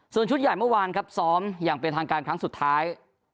ส่วนชุดใหญ่เมื่อวานครับซ้อมอย่างเป็นทางการครั้งสุดท้าย